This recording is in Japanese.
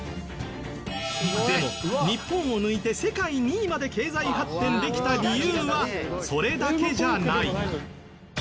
でも日本を抜いて世界２位まで経済発展できた理由はそれだけじゃない。